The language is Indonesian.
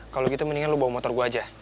kalau gitu mendingan lo bawa motor gue aja